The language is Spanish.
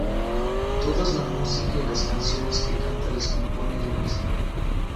Todas la música y las canciones que canta las compone ella misma.